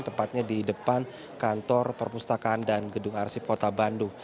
tepatnya di depan kantor perpustakaan dan gedung arsip kota bandung